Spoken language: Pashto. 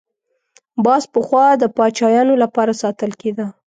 باز پخوا د پاچایانو لپاره ساتل کېده